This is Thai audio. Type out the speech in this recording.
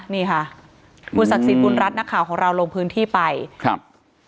นี่ค่ะคุณศักดิ์สิทธิบุญรัฐนักข่าวของเราลงพื้นที่ไปครับ